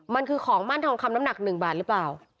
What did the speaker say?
มันคือของมั่นทองคำน้ำหนัก๑บาทหรือเปล่า